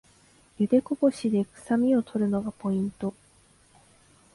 ゆでこぼしでくさみを取るのがポイント